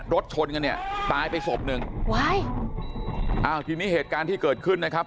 รถชนกันเนี่ยตายไปศพหนึ่งว้ายอ้าวทีนี้เหตุการณ์ที่เกิดขึ้นนะครับ